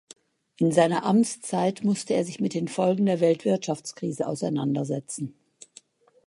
In seiner Amtszeit musste er sich mit den Folgen der Weltwirtschaftskrise auseinandersetzen.